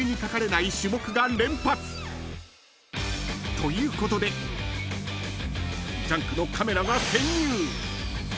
ということで『ジャンク』のカメラが］